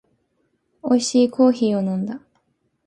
おいしいコーヒーを飲んだ